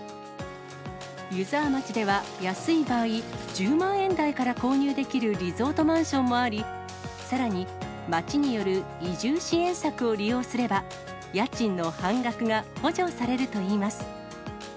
湯沢町では、安い場合、１０万円台から購入できるリゾートマンションもあり、さらに町による移住支援策を利用すれば、家賃の半額が補助されるといいます。